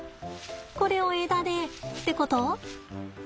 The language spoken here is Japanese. これを枝でってこと？